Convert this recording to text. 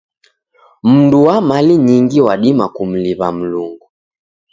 Mundu wa mali nyingi wadima kumliw'a Mlungu.